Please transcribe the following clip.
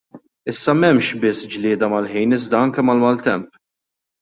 Issa m'hemmx biss glieda mal-ħin iżda anke mal-maltemp.